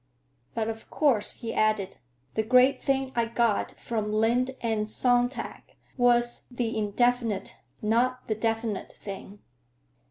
"But, of course," he added, "the great thing I got from Lind and Sontag was the indefinite, not the definite, thing.